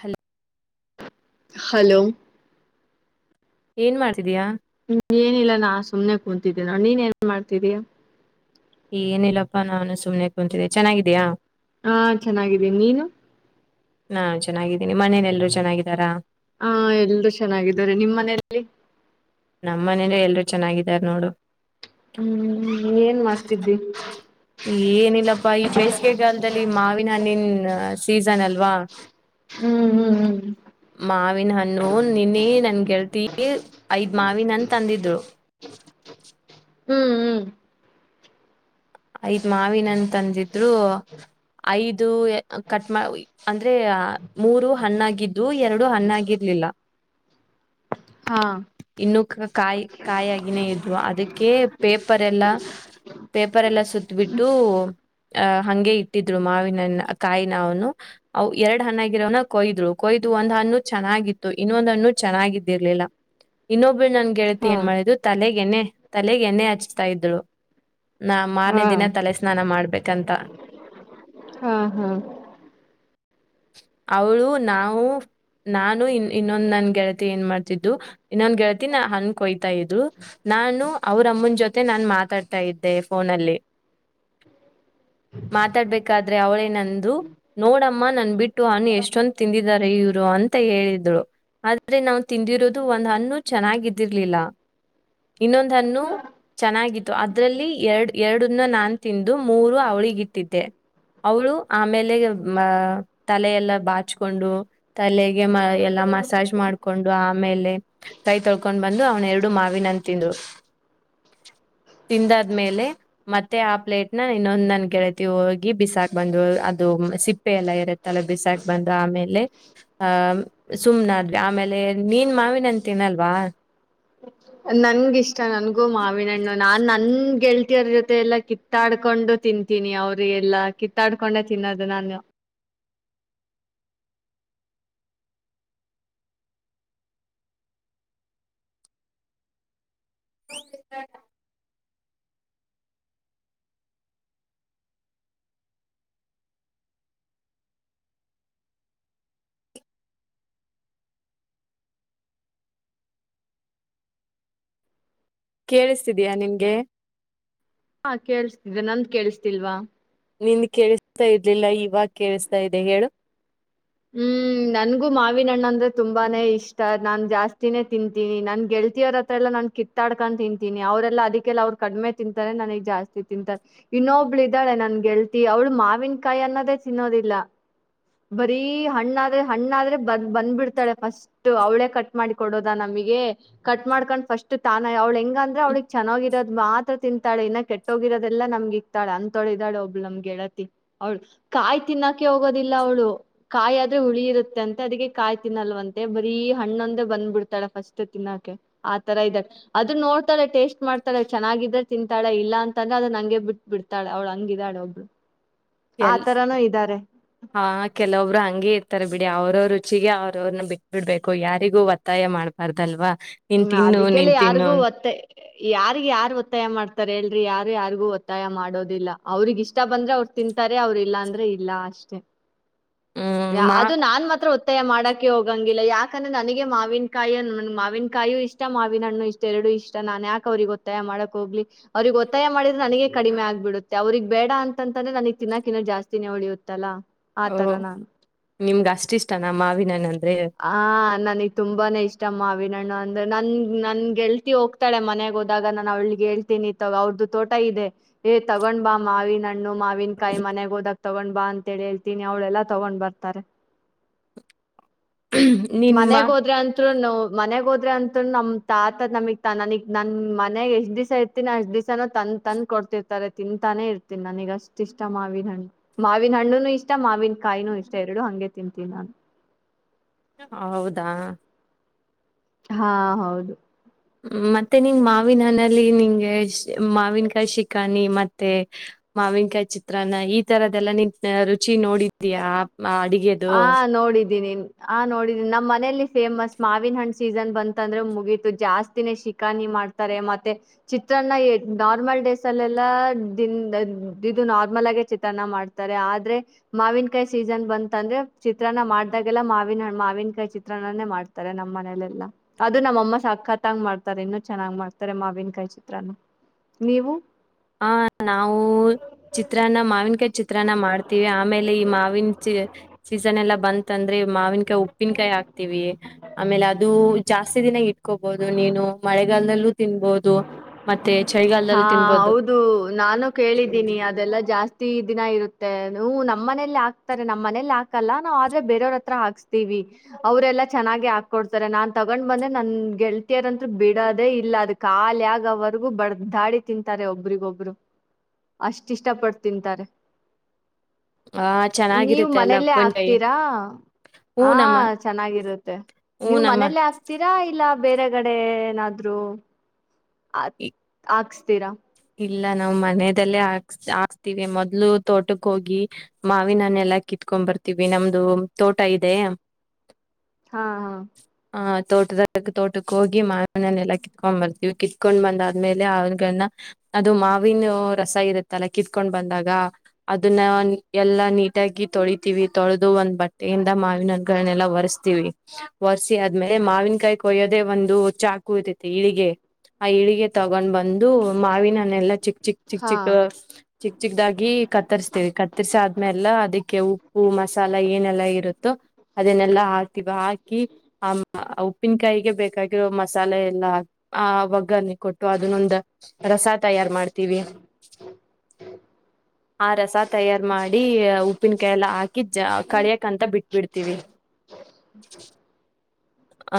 Hello hello ಏನ್ ಮಾಡ್ತಿದೀಯಾ ಹ್ಮ ಏನಿಲ್ಲ ನಾ ಸುಮನೆ ಕುಂತಿದ್ದೇ ನೋ ನೀನ್ ಏನ್ ಮಾಡ್ತೀದಿಯಾ. ಏನಿಲ್ಲಪ್ಪಾ ನಾನು ಸುಮ್ನೆ ಕುಂತಿದೆ ಚೆನ್ನಾಗಿದಿಯಾ. ಹಾ ಚೆನ್ನಾಗಿದ್ದೀನಿ ನೀನು. ನಾ ಚೆನ್ನಾಗಿದ್ದೀನಿ ಮನೇನೆ ಎಲ್ರರು ಚೆನ್ನಾಗಿದ್ದಾರಾ ಹಾ ಎಲ್ರೂ ಚೆನ್ನಾಗಿದ್ದಾರೆ ನಿಮ್ಮ್ ಮನೆಯಲ್ಲಿ ನಮ್ಮ ಮನೇಲ್ಲೀ ಎಲ್ರು ಚೆನ್ನಾಗಿದಾರೆ ನೋಡು ಹ್ಮ್ ಏನ್ ಮಾಡ್ತಿದ್ದಿ ಏನಿಲ್ಲಪ್ಪಾ ಈ ಚೇಸ್ಗೆ ಗಂತದಲ್ಲಿ ಮಾವಿನ ಹಣ್ಣನ್ ಸೀಸನ್ ಅಲ್ವಾ ಹ್ಮ್ - ಹ್ಮ್- ಹ್ಮ್ ಮಾವಿನ ಹಣ್ಣು ನೀನ್ನೇ ನನ್ಗೆಳ್ತ ತಿತೆ ಐದ್ ಮಾವ ನನ್ ತಂದಿದ್ರು ಹ್ಮ್ ಹ್ಮ್ ಹ್ಮ್ ಐದ್ ಮಾವಿನ ಅಂತಂದಿದ್ರು ಐದು ಎ ಕಟ್ ಅಂದ್ರೆ ಮೂರು ಹಣ್ಣಗಿದ್ವು ಎರಡು ಹಣ್ಣಾಗಿರ್ಲಿಲ್ಲ ಹಾ ಇನ್ನು ಕ ಕಾಯಿ ಕಾಯಾಗಿನೇ ಇದ್ವು ಅದಕ್ಕೆ ಪೇಪರ್ ಎಲ್ಲ ಪೆ ಪರೆಲ್ಲ ಸುತ್ತ ಬಿಟ್ಟು ಅಹ ಹಗೆ ಇಟ್ಟಿದ್ರು ಮಾವಿನ ಹಣ್ಣನ ಕಾಯಿನ ಅವನು ಅ ಎರಡ್ ಹಣ್ಣಗಿರೋನ ಕೊಯ್ದ್ರು ಕೊಯ್ದು ಒಂದ್ ಹಣ್ಣು ಚೆನ್ನಾಗಿತ್ತು ಇನ್ನೊಂದ್ ಹಣ್ಣು ಚೆನ್ನಾಗಿದ್ದಿರ್ಲಿಲ್ಲ ಇನ್ನೊಬ್ ಬಗೆಳತಿ ಹಾ ಏನು ಮಾಡಿತಲೆಗೆ ಎಣ್ಣೆ ತಲೆಗೆ ಎಣ್ಣೆ ಹಚ್ತಾ ಇದ್ಳು ನಾ ಮಾರ್ನೇ ಹಾ ದಿನ ತಲೆ ಸ್ನಾನ ಮಾಡ್ಬೇಕು ಕಂತ ಹಾ -ಹಾ ಅವಳು ನಾವು ನಾನು ಇ ಇನ್ನೊಂದ್ ನನ್ ಗೆಳತಿ ಏನ್ ಮಾಡ್ತಿದ್ದು ಇನ್ನೊಂದ್ ಗೆಳತಿ ನ ಹನ ಕೊಯ್ತಾ ಇದ್ಲು ನಾನು ಅವ್ರಮ್ಮನ ಜೊತೆ ನಾ ಮಾತ ಆಡ್ತಾ ಇದ್ದೆ ಫೋನಲ್ಲಿ ಮಾತಾಡ್ಬೇಕಾದ್ರೆ ಅವಳೇ ನಂದು ನೋಡಮ್ಮ ನನ್ ಬಿಟ್ಟು ಹಣ್ಣು ಎಷ್ಟೊಂದು ತಿಂದಿದಿದ್ದಾರೆ ಇವ್ರು ಅಂತ ಹೇಳಿದ್ಳರು ಆದ್ರೆ ನಾವು ತಿಂದಿರೋದು ಒಂದ್ ಹಣ್ಣು ಚೆನ್ನಾಗಿದ್ದಿರ್ಲಿಲ್ಲ ಇನ್ನೊಂದ್ ಹಣ್ಣು ಚೆನ್ನಾಗಿತ್ತು ಅದ್ರಲ್ಲಿ ಎರಡು ಎರಡನ್ನ ನಾನು ತಿಂದು ಮೂರು ಅವಳಿಗ ಇಟ್ಟಿದ್ದೆ ಅವಳು ಆಮೇಲೆ ಮ ತಲೆಲ್ಲ ಬಾಚ್ಕೊಂಡು ತಲೆ ಗೇಮ್ ಎಲ್ಲಾ ಮಸಾಜ್ ಮಾಡ್ ಕೊಂಡು ಆಮೇಲೆ ಕೈ ತೊಳ್ಕೊಂಡ್ ಬಂದು ಅವ್ನ ಎರಡು ಮಾವಿನಂತ ತಿಂದ್ರು ತಿಂದ ಆದ್ಮೇಲೆ ಮತ್ತೆ ಆ ಪ್ಲೇಟ್ನ ಇನ್ನೊಂದ್ ನನ್ ಗೆಳತಿ ಹೋಗಿ ಬಿಸಾಕ್ ಬಂದು ಅದು ಸಿಪ್ಪೆ ಎಲ್ಲ ಇರತ್ತಲ್ಲ ಬಿಸಾಕ್ ಬಂದು ಆಮೇಲೆ ಆಹ್ ಸುಮ್ನ ಆದವಿ ಆಮೇಲೆ ಮೀನ್ ಮಾವಿನಂತ ತಿನಲ್ವಾ ನಂಗಿಷ್ ಟ ನನ್ಗೂ ಮಾವಿನಣ್ಣ ನಾನ್ ನನ್ ಗೆಳ್ತಿಯರ್ ಜೊತೆ ಎಲ್ಲಾ ಕಿತ್ತಾಡ್ಕೊಂಡು ತಿಂತೀನಿ ಅವ್ರ ಎಲ್ಲಾ ಕಿತ್ತಾಡ್ಕೊಂಡೆ ತಿನ್ನೋದು ನಾನು ಕೇಳಿಸ್ತಿದೀಯಾ ನಿಂಗೆ ಹಾ ಕೇಳಸ್ತಿದೆ ನಂದ ಕೇಳಸ್ತಿಲ್ವಾ ನಿನ್ ಕೇಳಿಸತಾ ಇರ್ಲಿಲ್ಲ ಇವಾಗ ಕೇಳಿಸತಾ ಇದೆ ಹೇಳು ಹ್ಮ್ ನನ್ಗೂ ಮಾವಿನ ಹಣ್ಣು ಅಂದ್ರೆ ತುಂಬಾನೇ ಇಷ್ಟ ನಾನ್ ಜಾಸ್ತಿನೇ ತಿಂತೀನಿ ನನ್ ಗೆಳ್ತಿಯ ಅವರ ಹತ್ರ ಎಲ್ಲಾ ನಾನ್ ಕಿತ್ತಾಡ್ಕೊಂಡು ತಿಂತೀನಿ ಅವರೆಲ್ಲ ಅದಕ್ಕೆಲ್ಲ ಅವ್ರು ಕಡಿಮೆ ತಿಂತಾರೆ ನನಗ್ ಜಾಸ್ತಿ ತಿಂತಾರೆ ಇನ್ನೊಬ್ಳು ಇದ್ದಾಳೆ ನನ್ ಗೆಳ್ತಿ ಅವ್ಳು ಮಾವಿನ ಕಾಯಿ ಅನ್ನೋದೇ ತಿನ್ನೋದಿಲ್ಲ ಬರೀ ಹಣ್ಣಾದ್ರೆ ಹಣ್ಣಾದ್ರೆ ಬಂದ ಬಂದ್ಬ ಬಿಡ್ತಾಳೆ ಫಸ್ಟ್ ಅವ್ಳೇ ಕಟ್ ಮಾಡಿ ಕೊಡೋದ ನಮಗೆ ಕಟ್ ಮಾಡ್ಕೊಂಡ್ ಫಸ್ಟ್ ತಾನ ಅವ್ಳ ಹೆಂಗ ಅಂದ್ರೆ ಅವ್ಳಿಗೆಗ್ ಚೆನ್ನಾಗಿರೋದ್ ಮಾತ್ರ ತಿಂತಾಳೆ ಇನ್ನ ಕೆಟ್ಟೋಗಿರೋದೆಲ್ಲಾ ನಮ್ಗ ಇಕ್ತಾಳೆ ಅಂತೊಳಿದಾಳೆ ಒಬ್ಳ ನಮ್ಗೆ ಗೆಳತಿ ಅವ್ಳು ಕಾಯ್ ತಿನ್ನೋಕೆ ಹೋಗೋದಿಲ್ಲ ಅವ್ಳು ಕಾಯಿ ಆದ್ರೆ ಹುಳಿ ಇರುತ್ತೆ ಅಂತೆ ಅದಕ್ಕೆ ಕಾಯಿ ತಿನ್ನಲ್ವಂತೆ ಬರೀ ಹಣ್ಣೊಂದೇ ಬಂದ್ಬ ಬಿಡ್ತಾಳೆ ಫಸ್ಟ್ ತಿನ್ನಕೆ ಆತರ ಇದ್ದಾಳೆ ಅದ್ ನೋಡ್ತಾಳೆ ಟೇಸ್ಟ್ ಮಾಡ್ತಾಳೆ ಚೆನ್ನಾಗಿದ್ರೆ ತಿಂತಾಳೆ ಇಲ್ಲ ಅಂತಂದ್ರೆ ಅದನ್ನ ಹಂಗೆ ಬಿಟ್ಬ ಬಿಡ್ತಾಳೆ ಅವ್ಳು ಹಂಗಿದಾಳೆ ಒಬ್ಳು ಎಲ್ ಆತರಾನೂ ಇದ್ದಾರೆ ಹಾ ಕೆಲವೊಬ್ರು ಹಂಗೆ ಇ ತರ ಬಿಡಿ ಅವ್ರವ ರುಚಿಗೆ ಅವ್ರ ಅವ್ರನ್ನ ಬಿಟ್ಬ ಬಿಡ್ಬೇಕು ಯಾರಿಗೂ ಒತ್ತಾಯ ಮಾಡ್ಬಾರ್ದಲ್ವಾ ನೀನ್ ಹ್ಮ ತಿನ್ನು ಅದಕ್ಕೆಲ್ಲಿ ನೀನ್ ತಿನ್ನು ಯಾರಿಗೂ ಅಂತ. ಒತ್ತೆ ಯಾರಿಗ್ ಯಾರು ಒತ್ತಾಯ ಮಾಡ್ತಾರೆ ಹೇಳರಿಿ ಯಾರು ಯಾರಿಗೂ ಒತ್ತಾಯ ಮಾಡೋದಿಲ್ಲ ಅವ್ರಿಗ್ ಇಷ್ಟ ಬಂದ್ರೆ ಅವರು ತಿನ್ಂತಾರೆ ಅವ್ರ ಇಲ್ಲ ಅಂದ್ರೆ ಇಲ್ಲ ಅಷ್ಟೆ ಹ್ಮ್ ಮಾ ಅದು ನಾನ್ ಮಾತ್ರ ಒ ಒತ್ತಾಯ ಮಾಡಕೆ ಹೋಗಂಗಿಲ್ಲ ಯಾಕಂದ್ರೆ ನನಗೆ ಮಾವಿನಕಾಯಿ ಮಾವಿನಕಾಯಿಯು ಇಷ್ಟ ಮಾವಿನ ಹಣ್ಣು ಇಷ್ಟ ಎರಡು ಇಷ್ಟ ನಾನ್ ಯಾಕ ಅವ್ರಿಗೆ ಒತ್ತಾಯ ಮಾಡಕ್ ಹೋಗ್ಲಿ ಅವ್ರಗ್ ಒತ್ತಾಯ ಮಾಡಿದ್ರೆ ನನಗೆ ಕಡಿಮೆ ಆಗ್ಬಿಡುತ್ತೆ ಅವ್ರಗ್ ಬೇಡ ಅಂತಂದ್ರೆ ನನಗ್ ತಿನ್ನಾಕ ಇನ್ನೋ ಜಾಸ್ತಿನೇ ಹೊಳಿಯುತ್ತಲ್ಲಾ ಓ ಆತರ ನಾು ನಿಮ್ಗ ಅಷ್ಟ್ ಇಷ್ಟ ನ ಮಾವಿನನಂತ ಹಾ ನನಗೆ ತುಂಬಾನೇ ಇಷ್ಟ ಮಾವಿಿನಣ್ಣ ಅಂದ್ರೆ ನನ್ ನನ್ ಗೆಳ್ತಿ ಹೋಗ್ತಾಳೆ ಮನೆಯಾಗ ಹೋದಾಗ ನಾನನ್ ಅವ್ಳಿಗೆ ೇಳ್ತೀನಿ ತ ಅವ್ರ್ದು ತೋಟ ಇದೆ ಏ ತಗೊಂಡ್ ಬಾ ಮಾವಿ ನಣ್ಣ ನ್ನು ಮಾವಿನಾಯಿ ಮನೆಗೆ ಹದ ತಗೊಂಡ್ ಬಾ ಅಂತೇಳಿ ಹೇಳ್ತೀನಿ ಅವ್ಳೆಲ್ಲಾ ತಗೊಂಡ್ ಬರ್ತಾರೆ ನಿಮ್ಮ ಮನೆಗ್ ಹೋದ್ರೆ ಅತ್ರು ನ ಮನೆಗ್ ಹೋದ ೆ ಅಂತ ನಮ ತಾತ ನಮಗ್ ತ ನನಗ್ ನನ್ ಮನೆಯಗ್ ಎಷ್ಟ್ ದಿಸಸ ಇರ್ತೀನಿ ಅಷ್ಟ್ ದಿವಸಾನೂ ತಂದ ತಂದ ಕೊಡ್ತಿರ್ತಾರೆ ತಿಂತಾನೆ ಇರ್ತೀನಿ ನನಗ್ ಅಷ್ಟ ಇಷ್ಟ ಮಾವನ್ ಹಣ್ಣ ಮಾವನ್ ಹಣ್ಣುನು ಇಷ್ಟ ಮಾವನ್ ಕಾಯಿನೂ ಇಷ್ಟ ಎರಡು ಹಂಗೆ ತಿಂತೀನಿ ನಾನು ಹೌದಾ ಹಾ ಹೌದು ಹ್ಮ ಮತ್ತೆ ನಿನ್ ಮಾವಿನ ಹ್ಣಲ್ಲಿ ನಿಂಗೆ ಮಾವಿನಕಾಯಿ ಶಿಕಾಣಿ ಮತ್ತೆ ಮಾವಿನಕಾಯಿ ಚಿತ್ರಾನ್ನ ಈ ತರದೆಲ್ಲಾ ನಿ ರುಚಿ ನೋಡಿದೀಯಾ ಆ ಹ ಅಡಿಗೆದು. ನೋಡಿದ್ದೀನಿ ಆ ನೋಡಿದ್ದೀನಿ ನಮ್ಮ ಮನೆಯಲ್ಲಿ ಫೇಮಸ್ ಮಾವಿನ ಹಣ್ಣ್ ಸೀಸನ್ ಬಂತಂದ್ರೆ ಮುಗೀತು ಜಾಸ್ತಿನೇ ಶಿಕಾನಿ ಮಾಡ್ತಾರೆ ಮತ್ತೆ ಚಿತ್ರಾನ್ನ ನಾರ್ಮಲ್ ಡ್ರೇಸ್ ಅಲ್ಲೆಲ್ಲ ದನ್ ಇದು ನಾರ್ಮಲ್ ಆಗೇ ಚಿತ್ರಾನ್ನ ಮಾಡ್ತಾರೆ ಆದ್ರೆ ಮಾವಿನಕಾಯಿ ಸೀಸನ್ ಬಂತ ಅಂದ್ರೆ ಚಿತ್ರಾನ್ನ ಮಾಡ್ದಾಗೆಲ್ಲ ಮಾವಿನ ಮಾವಿನಕಾಯಿ ಚಿತ್ರಾನ್ನನೇ ಮಾಡ್ತಾರೆ ನಮ್ಮ ಮನಲೆೆಲ್ಲಾ ಅದು ನಮ್ಮಮ್ಮ ಸಕ್ಕತ್ತಂಗ್ ಮಾಡ್ತಾರೆ ಇನ್ನುೂ ಚೆನ್ನಾಗ್ ಮಾಡ್ತಾರೆ ಮಾವಿನಕಾಯಿ ಚಿತ್ರಾನ್ನ ನೀವು ಹ ನಾವು ಚಿತ್ರಾನ್ನ ಮಾವಿನಕಾಯಿ ಚಿತ್ರಾನ್ನ ಮಾಡ್ತೀವಿ ಆಮೇಲೆ ಮಾಿನ ಸ ಎಲ್ಲ ಬಂತ ಅಂದ್ರೆ ಮಾವಿನಕಾಯ ಉಪ್ಪಿನಕಾಯಿ ಹಾಕ್ವಿ ಆಮೇಲೆ ಅದು ಜಾಸ್ತಿ ದಿನ ಇಕೋಬಹುದು ನೀ ಚಲ್ಲ ತಿನ್ಬೋದು ಮತ್ತೆ ಹಾ ಚಳಿಗಾಲದಲ್ಲಿ ತಿನ್ಬಹದು ಹೌದು ನಾನು ಕೇಳಿದ್ದೀನಿ ಅದೆಲ್ಲಾ ಜಾಸ್ತಿ ಪ್ರ ದಿನ ಇರುತ್ತೆ ಹ ನಮ್ಮ ಮನೇಲಿ ಹಾಕ್ತಾರೆ ನಮ್ಮ್ ಮನೇಲಿ ಹಾಕಲ್ಲ ನಾವ್ ಆದ್ರೆ ಬೇರೆಯವ್ರ ಹತ್ರ ಹಾಕ್ಸ್ತಿೀವಿ ಅವರೆೆಲ್ಲಾ ಚೆನ್ನಾಗಿ ಹಾಕೊಡ್ತಾರೆ ನಾನ್ ತಗೊಂಡ್ ಬಂದೆ ನನ್ ಗೆಳ್ತಿಯರಂತ್ರ ಬಿಡೋದೇ ಇಲ್ಲ ಅದಕ್ ಖಾಲಿಗವರೆಗೂ ಬಡ್ದಾಡಿ ತಿಂತಾರೆ ಒಬ್ರಿಗೊಬ್ರು ಅಷ್ಟ ಇಷ್ಟಪಡ್ ತಿಂತಾರೆ ಆ ನೀವ್ ಚೆನ್ನಾಗಿರುತ್ತೆ ಅಲ್ಲ ಮನೇಲ್ಲೇ ಉಪ್ಪಿನಕಾಯಿ ಆಕ್ತೀರಾ ಹೂ ಹ ನಮ್ಮ ಚೆನ್ನಾಗಿರುತ್ತೆ ಹೂ ನೀವ್ ನಮ್ಮ ಮನೇಲ್ಲೇ ಆಕ್ತೀರಾ ಇಲ್ಲ ಬೇರೆಗಡೆ ಏನಾದ್ರು ಆ ಆ ತರಹ ಇಲ್ಲ ನಾವ್ ಮನದಲ್ಲೇ ಹಕ್ ಹಾಕ್ತಿೀವಿ ಮೊದ್ಲು ತೋಟಕ್ ಹೋಗಿ ಮಾವಿನನ್ನ ಎಲ್ಲಾ ಕಿತ್ಕೊಂಡ್ ಬರ್ತೀವಿ ನಮ್ದು ತೋಟ ಇದೆ ಹಾ ಹಾ ಆಹ್ ತೋಟದ ತೋಟಕ್ಕೆ ಹೋಗಿ ಮಾವನನ್ನೆಲ್ಲಾ ಕಿತ್ಕೊಂಡ್ ಬರ್ತೀವಿ ಕಿತ್ಕೊಂಡ್ ಬಂದಾದ್ಮೇಲೆ ಅವ್ಗಳನ್ನ ಅದು ಮಾವಿನ ರಸ ಇರುತ್ತಲ್ಲ ಕಿತ್ಕೊಂಡ್ ಬಂದಾಗ ಅದನ್ನ ಎಲ್ಲಾ ನೀಟಾಗಿ ತೊಳಿತೀವಿ ತೊಳೆದು ಒಂದ್ ಬಟ್ಟೆಯಿಂದ ಮಾವಿನಗಳನ್ನೆಲ್ಲ ಒರೆಸ್ತೀವಿ ಒರೆಸಿ ಆದ್ಮೇಲೆ ಮಾವಿನಕಾಯಿ ಕೊಯ್ಯೋದೆ ಒಂದು ಚಾಕು ಇತತಿ ಇಳಿಗೆ ಆ ಇಳಿಗೆ ತಗೊಂಡ್ ಬಂದ್ ಮಾವಿನನ್ನೆಲ್ಲಾ ಚಿಕ್ ಚಿಕ್ ಚಿಕ್ ಹಾ ಚಿಕ್ ಚಿಕ್ ಚಿಕ್ದಾಗಿ ಕತ್ತರ್ಸ್ತೇವಿ ಕತ್ತರ್ಸಾದ್ಮೇಲೆ ಅದಕ್ಕೆ ಉಪ್ಪು ಮಸಾಲ ಏನೆಲ್ಲಾ ಇರುತ್ತೋ ಅದನೆೆಲ್ಲಾ ಹಾಕ್ತಿವಿ ಹಾಕಿ ಆ ಉ ಪ್ಪಿನಕಾಯಿಗೆ ಬೇಕಾಗಿರೋ ಮಸಾಲೆ ಎಲ್ಲಾ ಆ ಒಗ್ಗನೆೆ ಕೊಟ್ಟು ಅದನ್ನೊಂದ ರಸ ತಯಾರ್ು ಮಾಡ್ತೀವಿ ಆ ರಸ ತಯಾರ್ು ಮಾಡಿ ಉಪ್ಪಿನ ಕಾಯ ಎಲ್ಲ ಹಾಿ ಕಳಿಯಕ್ ಅಂತ ಬಿಟ್ಬಿಡ್ತೀವಿ ಹ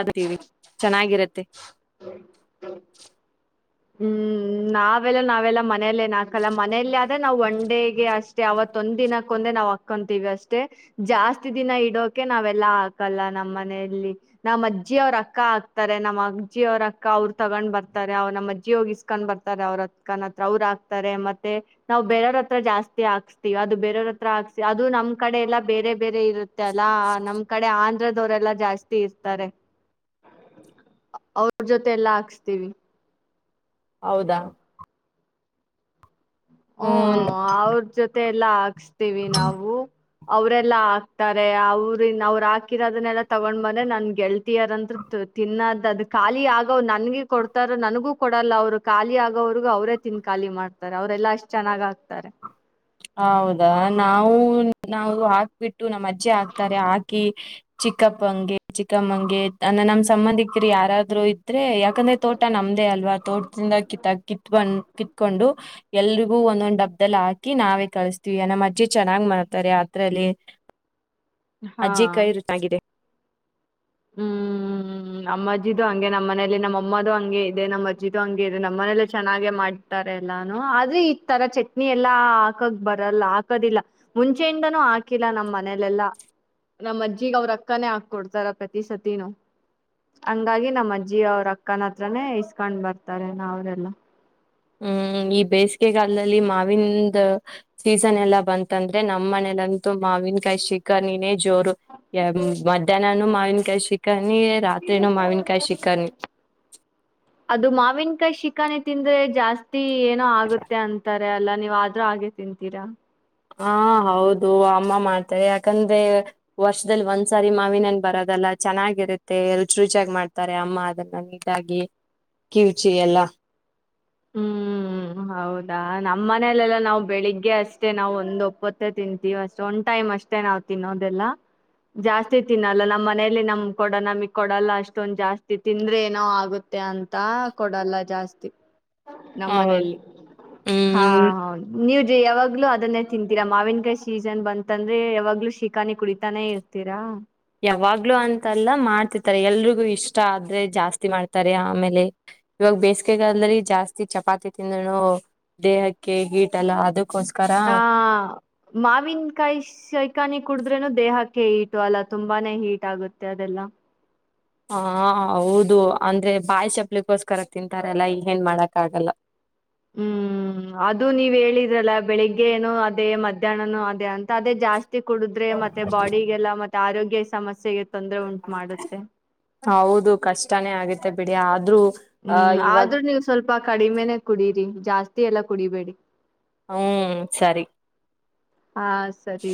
ಅದತೀವಿ ಚೆನ್ನಾಗಿರತ್ತೆ [unintelligible] ಹ್ಮ್ ನಾವೆಲ್ಲ ನಾವೆಲ್ಲ ಮನೆಲೆ ನಾಕಲ್ಲ ಮನೆಲ್ಲೆ ಆದ್ರೆ ನಾವ್ ಒನ್ ಡೇ ಗೆ ಅಷ್ ಷ್ಟೇ ಅವತ್ತೊಂದ್ ದಿನಕ್ಕೊಂದೆ ನಾವ್ ಹಾಕ್ಕಂತೀವಿ ಅಷ್ಟೆ ಜಾಸ್ತಿ ದಿನ ಇಡೋಕೆ ನಾವೆಲ್ಲಾ ಹಾಕಲ್ಲ ನಮ್ಮ್ ಮನೆಯಲ್ಲಿ ನಮ್ಮ್ ಅಜ್ಜಿ ಅವ್ರ ಅಕ್ಕ ಹಾಕ್ತಾರೆ. ನಮ್ಮ್ ಅಜ್ಜಿ ಅವ್ರ ಅಕ್ಕ ಅವರು ತಗೊಂಡ್ ಬರ್ತಾರೆ ಅವ ನಮ್ ನಮ್ಮಜ್ಜಿ ಹೋಗಿಸ್ಕೊಂಡ್ ಬರ್ತಾರೆ ಅವ್ರಕ್ಕನತ್ರ ಅವ್ರ್ ಹಾಕ್ತಾರೆ ಮತ್ತೆ ನಾವು ಬೇರವ್ರತ್ರ ಜಾಸ್ತಿ ಹಾಕ್ಸ್ತಿವಿ. ಅದು ಬೇರವ್ರ ಹತ್ರ ಹಾಕ್ಸ್ತಿ ಅದು ನಮ್ಮ್ ಕಡೆ ಎಲ್ಲ ಬೇರೆ ಬೇರೆ ಇರು ತ್ತೆ ಅಲಾ ನಮ್ ಕಡೆ ಆ ದ್ರ ದವ್ರೆಲ್ಲಾ ಜಾಸ್ತಿ ಇರ್ತಾರೆ ಅವ್ರ ಜೊತೆ ಎಲ್ಲಾ ಹಾಕ್ಸ್ತೀವಿ. ಹೌದಾ ಹೂ ಹ್ಮ್ ಅವ್ರ್ ಜೊತೆ ಎಲ್ಲಾ ಹಾಕ್ಸ್ತೀವಿ ನಾವು ಅವ್ರೆಲ್ಲಾ ಹಾಕ್ತಾರೆ ಅವ್ರ ಇನ್ ಅವ್ರು ಹಾಕಿರೋದನ್ನೆಲ್ಲಾ ತಗೊಂಡ್ ಬಂದೆ ನನ್ ಗೆಳ್ ಳತಿಯರಂದ್ರೆ ತಿನ್ನದ ಅದ್ ಖಾಲಿ ಆಗ ನನ್ಗೆ ಕೊಡ್ತಾರ ನನಗೂ ಕೊಡಲ್ಲ ಅವರು ಖಾಲಿ ಆಗೋವರ್ಗು ಅವ್ರೇ ತಿಂದ್ ಖಾಲಿ ಮಾಡ್ ತಾರ್ ಅವ್ರೆಲ್ಲಾ ಅಷ್ಟ್ ಚೆನ್ನಾಗ್ ಆಗ್ತಾರೆ. ಆ ಹೌದಾ ನಾವು ನಾವು ಹಾಕ್ಬಿಟ್ಟು ನಮ್ಮಜ್ಜಿ ಹಾಕ್ತಾರೆ. ಹಾಕಿ ಚಿಕ್ಕಪ್ಪಂಗೆ ಚಿಕ್ಕಮ್ಮಂಗೆ ಅ ನಮ್ ಸಂಬಂಧಿಕರು ಯಾರಾದ್ರು ತ್ರೆ ಯಾಕಂದ್ರೆ ತೋಟ ನಮ್ದೇ ಅಲ್ವಾ ತೋಟದಿಂದ ಕಿತ್ತಾಕ್ ಕಿತ್ ಬಂದ್ ಕಿತ್ಕೊಂಡು ಎಲ್ರಿಗೂ ಒಂದೊಂದ್ ಡಬ್ದಲ್ಲಿ ಹಾ ಕಿ ನಾವೇ ಕಳಿಸ್ತೀವಿ ನಮ್ ಅಜ್ಜಿ ಚೆನ್ನಾಗ್ ಮಾಡ್ತಾರೆ ಅದ್ರಲ್ಲಿ ಹಾ ಅಜ್ಜಿ ಕೈ ರುಚ್ ಆಗಿದೆ. ಹ್ಮ್ ನಮ್ಮಜ್ಜಿದು ಹಂಗೆ ನಮ್ಮನೇಲಿ ನಮ್ಮಅಮ್ಮದು ಹಂಗೆ ಇದೆ ನಮ್ಮ ಅಜ್ಜಿದು ಹಂಗೆ ಇದೆ ನಮ್ಮ್ ಮನೇಲ್ಲ ಚೆನ್ನಾಗೆ ಮಾಡ್ತಾರೆ. ಎಲ್ಲಾನು ಆದ್ರೆ ಈ ತರ ಚಟ್ನಿ ಎಲ್ಲಾ ಹಾಕಕ್ ಬರಲ್ಲ ಹಾಕೋದಿಲ್ಲ ಮುಂಚೆಯಿಂದನೂ ಹಾಕಿಲ್ಲ. ನಮ್ಮ್ ಮನೇಲೆಲ್ಲಾ ನಮ್ಮ್ ಅಜ್ಜಿಗ್ ಅವ್ರ ಅಕ್ಕಾನೇ ಹಾಕೊಡ್ತಾರ ಈ ಸತಿನು ಹಂಗಾಗಿ ನಮ್ಮ್ ಅಜ್ಜಿ ಅವ್ರ ಅಕ್ಕನ ಹತ್ರಾನೇ ಇಸ್ಕೊಂಡ್ ಬರ್ತಾರೆ ನಾ ಅವರೆಲ್ಲಾ ಹ್ಮ್ ಈ ಬೇಸಿಗೆಗಾಲದಲ್ಲಿ ಮಾವಿನ್ದ್ ಸೀಸನ್ ಎಲ್ಲಾ ಬಂತಂದ್ರೆ ನಮ್ಮ್ ಮನೇಲಂತೂ ಮಾವಿನಕಾಯಿ ಶಿಕರ್ಣಿ ನೇ ಜೋರು ಯ ಮಧ್ಯಾನನು ಮಾವಿನ್ಕಾಯ್ ಶಿಕ [unintelligible] ರಾತ್ರಿನೂ ಮಾವಿನಕಾಯಿ ಶಿಕರ್ಣಿ ಅದು ಮಾವಿನಕಾಯಿ ಶಿಕಾನೆ ತಿಂದ್ರೆ ಜಾಸ್ತಿ ನ ಆಗುತ್ತೆ ಅಂತರ್ ದೆ ಅಲ್ಲ ನೀವ್ ಆದ್ರೂ ಹಾಗೆ ತಿಂತೀರಾ ಹಾ ಹೌದು ಅಮ್ಮ ಮಾಡ್ತಾರೆ ಯಾಕಂದ್ರೆ ವರ್ಷದಲ್ಲಿ ಒಂದ್ಸಾರಿ ಮಾವಿನಹಣ್ ಬರೋದಲ್ಲ ಚೆನ್ನಾಗಿರುತ್ತೆ ರುಚಿ ರುಚ್ಯಾಗ್ ಮಾಡ್ತಾರೆ ಅಮ್ಮ ಅದನ್ನ ನೀಟಾಗಿ ಕಿವುಚಿ ಎಲ್ಲಾ ಹ್ಮ್ ಹೌದಾ ನಮ್ ಮನಲೆಲ್ಲಾ ನಾವ್ ಬೆಳಿಗ್ಗೆ ಅಷ್ಟೇ ನಾವ್ ಒಂದ್ ಒಪ್ಪತ್ತೇ ತಿಂತೀವಿ ಅಷ್ಟ ಒಂದ್ ಟೈಮ್ ಅಷ್ಟೇ ನಾವ್ ತಿನ್ನೋದೆಲ್ಲ. ಜಾಸ್ತಿ ತಿನ್ನಲ್ಲ ನಮ್ಮ್ ಮನೇಲಿ ನಮ್ ಕೊಡ ನಮಗ್ ಕೊಡಲ್ಲ ಅಷ್ಟೊಂದ್ ಜಾಸ್ತಿ ತಿಂದ್ರೆ ಏನೋ ಆಗುತ್ತೆ ಅಂತ ಕೊಡಲ್ಲ ಜಾಸ್ತಿ. ನಮ್ಮ ಹೌದು ಮನೆಲ್ಲಿ ಹಾ ಹ್ಮ್ ಹೌದ್ ನೀವ್ ನೆ ಯಾವಾಗ್ಲೂ ಅದನ್ನೇ ತಿಂತೀರಾ ಮಾವಿನಕಾಯಿ ಸೀಸನ್ ಬಂತಂದ್ರೆ ಯಾವಾಗ್ಲೂ ಶಿಕಾನಿ ಕುಡಿತಾನೆ ಇರ್ತೀರಾ ಯಾವಾಗ್ಲೂ ಅಂತಲ್ಲ ಮಾಡ್ತಿರ್ತಾರೆ ಎಲ್ರಿಗೂ ಇಷ್ಟ ಆದ್ರೆ ಜಾಸ್ತಿ ಮಾಡ್ತಾರೆ. ಆಮೇಲೆ ಇವಾಗ ಬೇಸಿಗೆಗಾಲದಲ್ಲಿ ಜಾಸ್ತಿ ಚಪಾತಿ ತಿಂದ್ರೂನು ದೇಹಕ್ಕೆ ಗೀಟಲ್ಲ ಅದಕ್ಕೋಸ್ ಆ ಮಾವಿನಕಾಯಿ ಶಿ ಖಾನಿ ಕುಡುದ್ರೇನು ದೇಹಾಕ್ ಕೆ ಈಟು ಅಲ್ಲ ತುಂಬಾನೇ ಹೀಟ್ ಆಗುತ್ತೆ ಅದೆಲ್ಲ ಹ ಹೌದು ಅಂದ್ರೆ ಬಾಯಿ ಚಪ್ಲಕ್ಕೋಸ್ಕರ ತಿಂತಾರಲ್ಲ ಈ ಹೇನ್ ಮಾಡಕ್ ಆಗಲ್ಲ. ಹ್ಮ್ ಅದು ನೀವ್ ಹೇಳಿದ್ರಲ್ಲ ಬೆಳಿಗ್ಗೆನು ಅದೇ ಮಧ್ಯಾಹ್ನನೋ ಅದೇ ಅಂತ ಅದೇ ಜಾಸ್ ಸ್ತಿ ಕುಡುದ್ರೆ ಮತ್ತೆ ಬಾಡಿಗೆಲ್ಲ ಮತ್ ಆರೋಗ್ಯ ಸಮಸ್ಯೆ ಇ ತೊಂದ್ರೆ ಉಂಟು ಮಾಡುತ್ತೆ. ಹೌದು ಕಷ್ಟ ಹ್ಮ್ ಇವಾಗ ಆದ್ರೂ ನೀವು್ ಸ್ವಲ್ಪ ಕಡಿಮೆನೇ ಕುಡೀರಿ ಜಾಸ್ತಿ ಎಲ್ಲ ಕುಡಿಬೇಡಿ ಹ್ಮ ಸರಿ ಹಾ ಸರಿ ರೀ